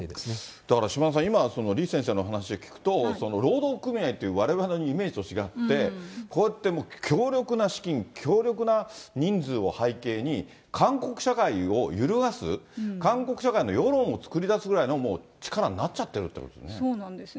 だから、島田さん、今、李先生の話を聞くと、労働組合というわれわれのイメージと違って、こうやってもう強力な資金、強力な人数を背景に、韓国社会を揺るがす、韓国社会の世論を作り出すぐらいのもう力になっちゃってるっていそうなんですね。